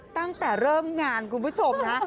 ตั้งแต่เริ่มงานคุณผู้ชมนะ